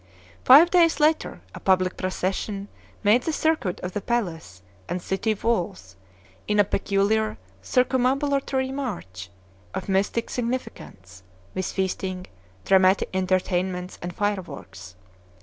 Five days later a public procession made the circuit of the palace and city walls in a peculiar circumambulatory march of mystic significance, with feasting, dramatic entertainments, and fireworks.